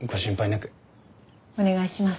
お願いします。